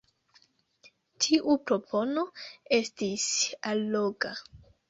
Tiu propono estis alloga.